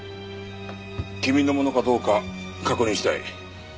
君のものかどうか確認したい。